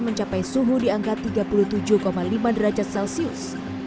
mencapai suhu di angka tiga puluh tujuh lima derajat celcius